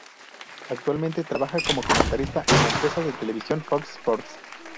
Actualmente Trabaja como comentarista en la empresa de televisión Fox Sports.